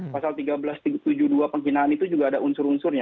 pasal tiga belas tujuh puluh dua penghinaan itu juga ada unsur unsurnya